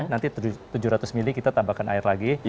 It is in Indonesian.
nanti tujuh ratus mili kita tambahkan air lagi